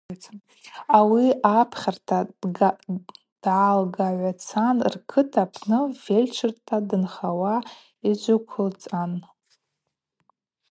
Ауи апхьара дгӏалгагӏвацан ркыт апны фельдшерта дынхауа йджвыквылцӏан.